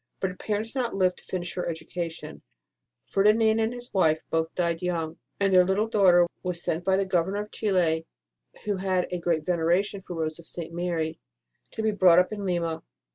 But her parents did not live to finish her education, Ferdinand and his wife both died young, and their little daughter was sent by the Governor of Chili, who had a great veneration for Rose of St. Mary, to be brought up in Lima.